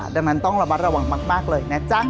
ดังนั้นต้องระมัดระวังมากเลยนะจ๊ะ